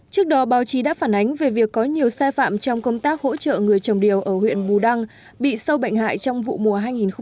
trước đó báo chí đã phản ánh về việc có nhiều sai phạm trong công tác hỗ trợ người trồng điều ở huyện bù đăng bị sâu bệnh hại trong vụ mùa hai nghìn một mươi sáu hai nghìn một mươi bảy